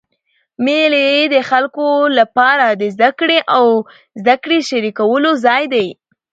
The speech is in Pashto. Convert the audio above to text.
مېلې د خلکو له پاره د زدهکړي او زدهکړي شریکولو ځای دئ.